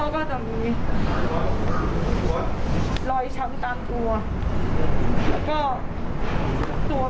ส่วนพ่อก็จะมีลอยช้ำตามตัว